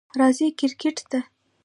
راځئ کریکټ ته!